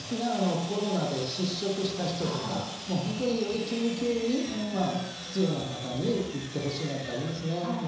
コロナで失職した人とか本当により緊急に必要な方にいってほしいなってありますね。